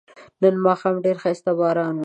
نن ماښام ډیر خایسته باران و